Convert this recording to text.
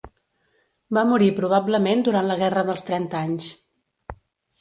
Va morir probablement durant la Guerra dels Trenta Anys.